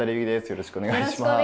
よろしくお願いします。